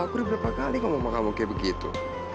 aku udah berapa kali ngomong sama kamu kayak begitu